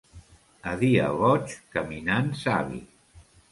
A dia boig, caminant savi.